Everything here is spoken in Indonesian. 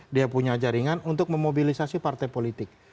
dia punya jaringan untuk memobilisasi partai politik